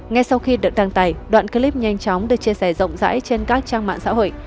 ngay sau khi được đăng tải đoạn clip nhanh chóng được chia sẻ rộng rãi trên các trang mạng xã hội